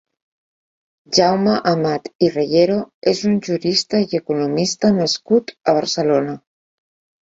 Jaume Amat i Reyero és un jurista i economista nascut a Barcelona.